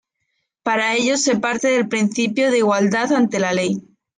Para ello, se parte del principio de igualdad ante la ley.